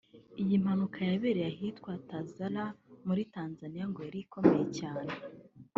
Iyi mpanuka yabereye ahitwa Tazara muri Tanzaniya ngo yari ikomeye cyane